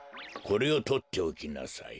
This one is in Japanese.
これをとっておきなさい。